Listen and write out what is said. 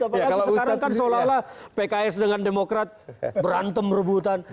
apakah sekarang kan seolah olah pks dengan demokrat berantem rebutan